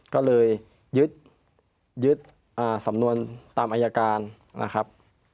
ก็เลยยึดสำนวนตามอายการนะครับ